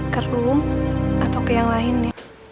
ke room atau ke yang lainnya